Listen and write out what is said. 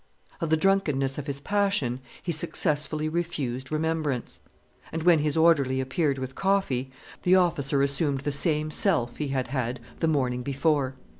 Of the drunkenness of his passion he successfully refused remembrance. And when his orderly appeared with coffee, the officer assumed the same self he had had the morning before.